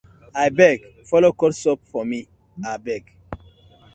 Abeg follo cut soap for mi abeg.